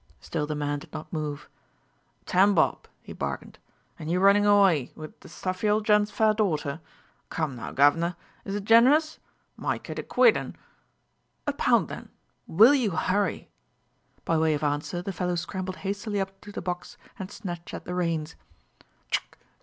Still the man did not move. "Ten bob," he bargained; "an' you runnin' awye with th' stuffy ol' gent's fair darter? Come now, guvner, is it gen'rous? Myke it a quid an' " "A pound then. Will you hurry?" By way of answer the fellow scrambled hastily up to the box and snatched at the reins.